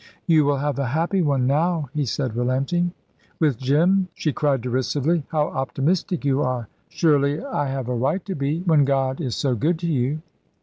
"You will have a happy one now," he said, relenting. "With Jim?" she cried derisively. "How optimistic you are!" "Surely I have a right to be, when God is so good to you."